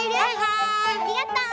ありがとう。